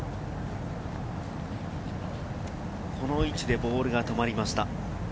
この位置でボールが止まりました。